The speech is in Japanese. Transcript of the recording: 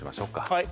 はい。